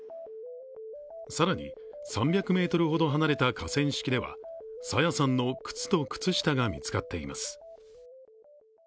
更に、３００ｍほど離れた河川敷では朝芽さんの靴と靴下が見つかっています。